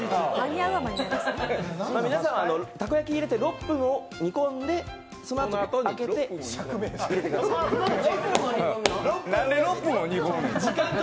皆さんはたこ焼き入れて６分煮込んで、そのあと、開けて入れてください。